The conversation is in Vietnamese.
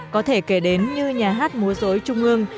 có thể kể đến như nhà hát múa dối trung ương